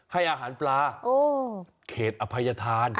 ให้อาหารปลาเขตอภัยธาน